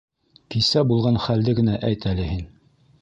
Кисә булған хәлде генә әйт әле һин.